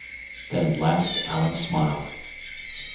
Then at last Alan smiled.